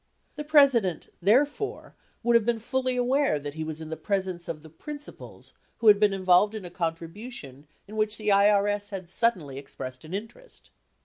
The President, therefore, would have been fully aware that he was in the presence of the principals who had been involved in a contribution in which the IRS had suddenly expressed an interest.